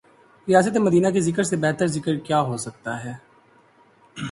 ریاست مدینہ کے ذکر سے بہترذکر کیا ہوسکتاہے۔